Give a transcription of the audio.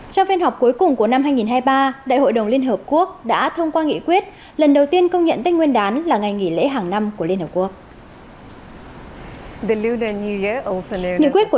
trong phiên họp cuối cùng của năm hai nghìn hai mươi ba đại hội đồng liên hợp quốc đã thông qua nghị quyết lần đầu tiên công nhận tên nguyên đán là ngày nghỉ lễ hàng năm của liên hợp quốc